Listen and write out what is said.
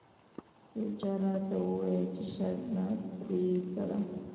یو چا راته وویل چې شرط مه پرې تړه.